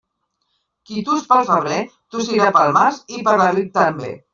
Qui tus pel febrer, tossirà pel març i per l'abril també.